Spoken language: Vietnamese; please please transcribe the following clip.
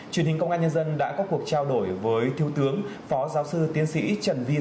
truyền hình công an nhân dân đã có cuộc trao đổi với thiếu tướng phó giáo sư tiến sĩ trần viên